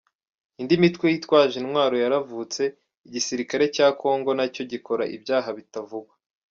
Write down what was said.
Indi mitwe yitwaje intwaro yaravutse, igisirikare cya Congo nacyo gikora ibyaha bitavugwa.